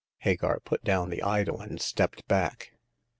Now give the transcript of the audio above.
Hagar put down the idol and stepped back.